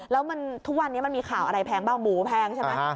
แล้วมันทุกวันนี้มันมีข่าวอะไรแพงบ้างหมูแพงใช่ไหม